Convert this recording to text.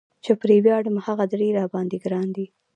چې پرې وياړم هغه درې را باندي ګران دي